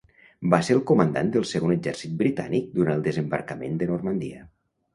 Va ser el comandant del Segon Exèrcit britànic durant el Desembarcament de Normandia.